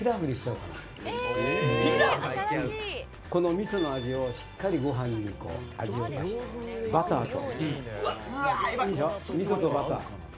味噌の味をしっかりご飯に味を生かして、バターと。